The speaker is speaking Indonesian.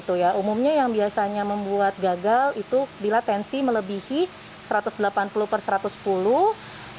umumnya yang biasanya membuat gagal itu bila tensi melebihi satu ratus delapan puluh persatuan